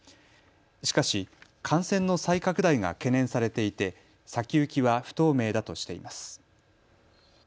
しかし、感染の再拡大が懸念されていて先行きは不透明だとしています。